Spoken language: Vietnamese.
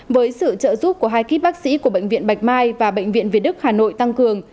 với sự trợ giúp của hai kíp bác sĩ của bệnh viện bạch mai và bệnh viện việt đức hà nội tăng cường